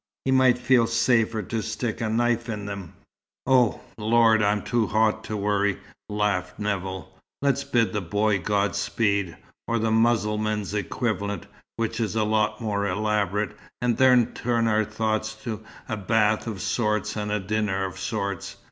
"He might feel safer to stick a knife in them." "Oh, lord, I'm too hot to worry!" laughed Nevill. "Let's bid the boy Godspeed, or the Mussulman equivalent, which is a lot more elaborate, and then turn our thoughts to a bath of sorts and a dinner of sorts.